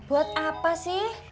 buat apa sih